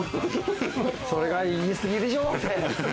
それは言い過ぎでしょ。